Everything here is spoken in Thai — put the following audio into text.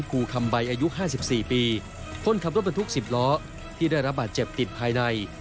ครูคำใบอายุห้าสิบสี่ปีคนขับรถมันทุกสิบล้อที่ได้รับบาดเจ็บติดภายใน